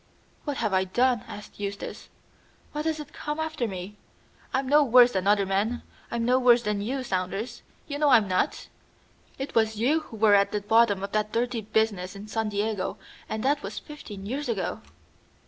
"What have I done?" asked Eustace. "Why does it come after me? I'm no worse than other men. I'm no worse than you, Saunders; you know I'm not. It was you who were at the bottom of that dirty business in San Diego, and that was fifteen years ago."